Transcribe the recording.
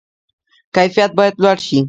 کیفیت باید لوړ شي